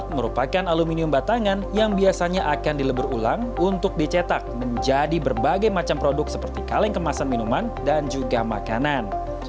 merupakan aluminium batangan yang biasanya akan dilebur ulang untuk dicetak menjadi berbagai macam produk seperti kaleng kemasan minuman dan juga makanan